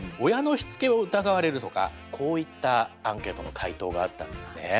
親のしつけを疑われるとかこういったアンケートの回答があったんですね。